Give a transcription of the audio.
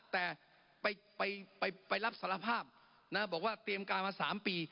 แต่ไปรับสารภาพนะบอกว่าเตรียมการมา๓ปี